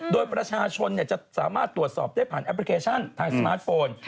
โดยประชาชนจะสามารถตรวจสอบได้ผ่านแอปพลิเคชันทางสมาร์ทโฟน